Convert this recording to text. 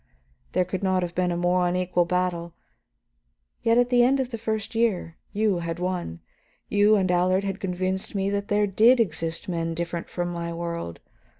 There could not have been a more unequal battle, yet at the end of the first year you had won. You and Allard had convinced me that there did exist men different from my world.